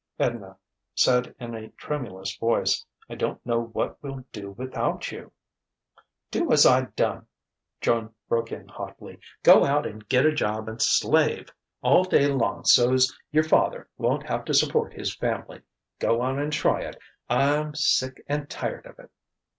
Edna said in a tremulous voice: "I don't know what we'll do without you " "Do as I done!" Joan broke in hotly. "Go out and get a job and slave all day long so's your father won't have to support his family. Go on and try it: I'm sick and tired of it!"